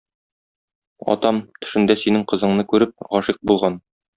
Атам, төшендә синең кызыңны күреп, гашыйк булган.